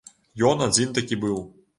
Ён адзін такі быў.